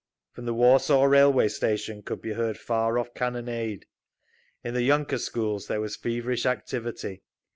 From the Warsaw Railway station could be heard far off cannonade. In the yunker schools there was feverish activity.